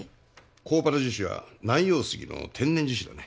コーパル樹脂は南洋杉の天然樹脂だね。